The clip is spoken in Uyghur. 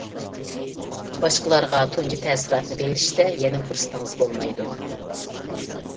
باشقىلارغا تۇنجى تەسىراتنى بېرىشتە يەنە پۇرسىتىڭىز بولمايدۇ.